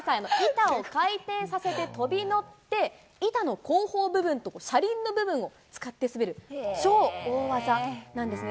板を回転させて、飛び乗って板の後方部分と車輪の部分を使って滑る超大技なんですね。